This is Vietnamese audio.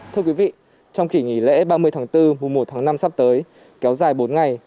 thưa quý vị trong kỷ nghỉ lễ ba mươi tháng bốn mùa một tháng năm sắp tới kéo dài bốn ngày